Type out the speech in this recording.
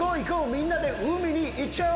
みんなで海に行っちゃおう。